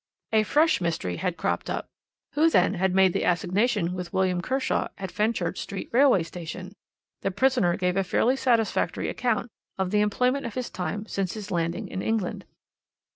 "A fresh mystery had cropped up. Who, then, had made the assignation with William Kershaw at Fenchurch Street railway station? The prisoner gave a fairly satisfactory account of the employment of his time since his landing in England.